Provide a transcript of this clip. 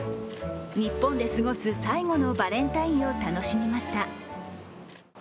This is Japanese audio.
日本で過ごす最後のバレンタインを楽しみました。